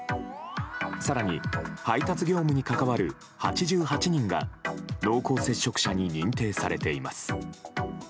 更に、配達業務に関わる８８人が濃厚接触者に認定されています。